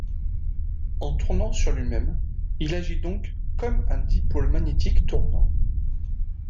En tournant sur lui-même, il agit donc comme un dipôle magnétique tournant.